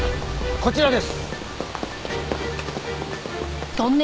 こちらです。